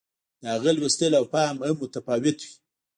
د هغه لوستل او فهم هم متفاوت وي.